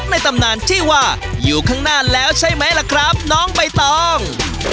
ตำนานที่ว่าอยู่ข้างหน้าแล้วใช่ไหมล่ะครับน้องใบตอง